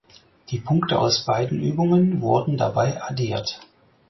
Die Punkte aus beiden Übungen wurden dabei addiert.